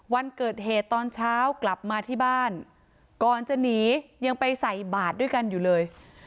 วันเกิดเหตุตอนเช้ากลับมาที่บ้านก่อนจะหนียังไปใส่บาทด้วยกันอยู่เลย